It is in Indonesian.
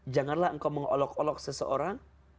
janganlah engkau mengolok olok seseorang